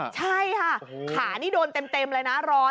ใช่ค่ะขานี่โดนเต็มเลยนะ